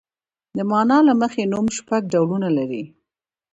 د مانا له مخې نوم شپږ ډولونه لري.